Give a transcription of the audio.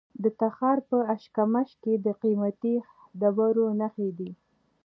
د تخار په اشکمش کې د قیمتي ډبرو نښې دي.